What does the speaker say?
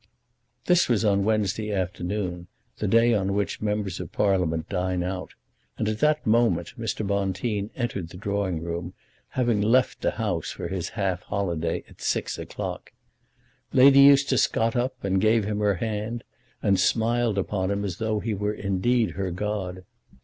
This was on Wednesday afternoon, the day on which members of Parliament dine out, and at that moment Mr. Bonteen entered the drawing room, having left the House for his half holiday at six o'clock. Lady Eustace got up, and gave him her hand, and smiled upon him as though he were indeed her god.